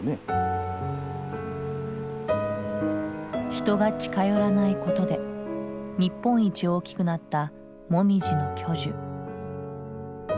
人が近寄らないことで日本一大きくなったモミジの巨樹。